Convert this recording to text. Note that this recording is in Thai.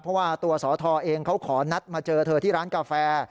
เพราะว่าตัวสอทอเองเขาขอนัดมาเจอเธอที่ร้านกาแฟ